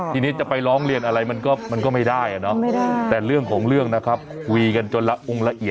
ทีนี้จะไปร้องเรียนอะไรมันก็ไม่ได้